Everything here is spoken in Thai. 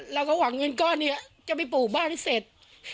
เราก็หวังเงินก้อนนี้จะไปปลูกบ้านให้เสร็จ